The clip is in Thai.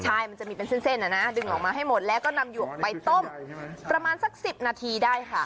ใช่มันจะมีเป็นเส้นดึงออกมาให้หมดแล้วก็นำหยวกไปต้มประมาณสัก๑๐นาทีได้ค่ะ